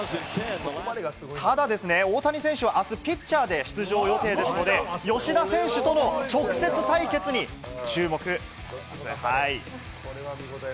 ただ、大谷選手は明日、ピッチャーで出場予定ですので、吉田選手との直接対決に注目。